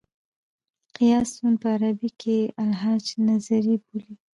قیاسي سون په عربي کښي الهج النظري بولي.